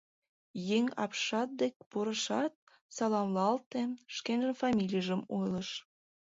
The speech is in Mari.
Еҥ апшат дек пурышат, саламлалте, шкенжын фамилийжым ойлыш.